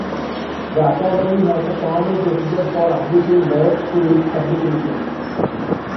The Academy has a formal procedure for admitting words to its publications.